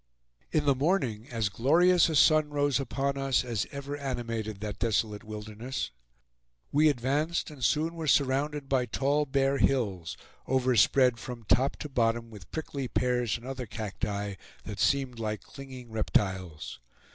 In the morning as glorious a sun rose upon us as ever animated that desolate wilderness. We advanced and soon were surrounded by tall bare hills, overspread from top to bottom with prickly pears and other cacti, that seemed like clinging reptiles.